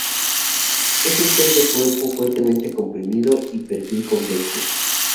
Es un pez de cuerpo fuertemente comprimido y perfil convexo.